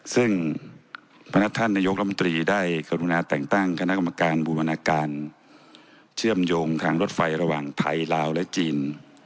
ซึ่งพนักท่านนายกรมตรีได้กรุณาแต่งตั้งคณะกรรมการบูรณาการเชื่อมโยงทางรถไฟระหว่างไทยลาวและจีน